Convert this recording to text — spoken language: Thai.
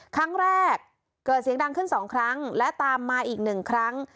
ครั้งแรกเกิดเสียงดังขึ้น๒ครั้งและตามมาอีกหนึ่งครั้ง